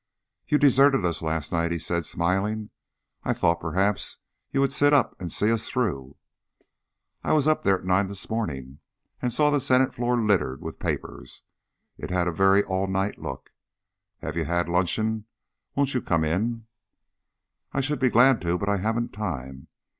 "You deserted us last night," he said, smiling. "I thought perhaps you would sit up and see us through." "I was up there at nine this morning and saw the Senate floor littered with papers. It had a very allnight look. Have you had luncheon? Won't you come in?" "I should be glad to, but I haven't time.